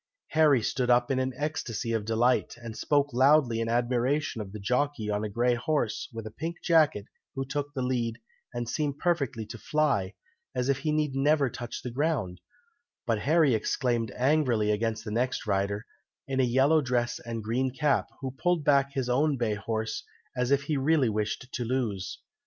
Harry stood up in an ecstacy of delight, and spoke loudly in admiration of the jockey on a grey horse, with a pink jacket, who took the lead, and seemed perfectly to fly, as if he need never touch the ground; but Harry exclaimed angrily against the next rider, in a yellow dress and green cap, who pulled back his own bay horse, as if he really wished to lose.